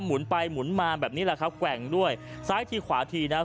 หมุนไปหมุนมาแบบนี้แหละครับแกว่งด้วยซ้ายทีขวาทีนะครับ